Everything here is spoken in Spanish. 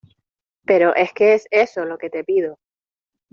pero es que es eso lo que te pido.